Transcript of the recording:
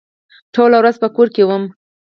ټوله ورځ په کور کې وم.